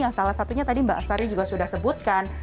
yang salah satunya tadi mbak saryo juga sudah sebutkan